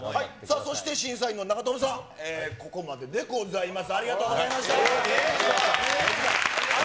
そして審査員の長友さん、ここまででございます。